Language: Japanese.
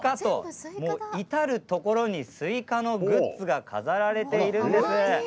至る所にスイカのグッズが飾られているんです。